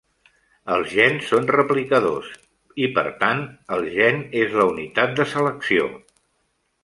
Els gens són replicadors, i per tant, el gen és la unitat de selecció.